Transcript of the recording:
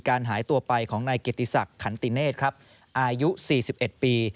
การหายตัวไปของนายเกติศักดิ์ขันติเนธอายุ๔๑ปี